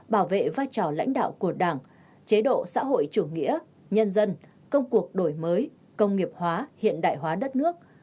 bảo vệ vai trò lãnh đạo của đảng chế độ xã hội chủ nghĩa nhân dân công cuộc đổi mới công nghiệp hóa hiện đại hóa đất nước